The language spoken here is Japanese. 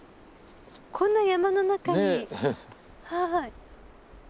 こんな山の中に。